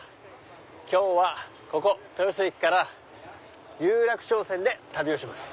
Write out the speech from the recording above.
今日はここ豊洲駅から有楽町線で旅をします。